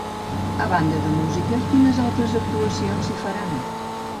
A banda de música, quines altres actuacions s'hi faran?